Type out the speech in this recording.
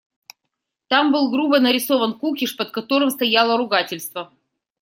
Там был грубо нарисован кукиш, под которым стояло ругательство.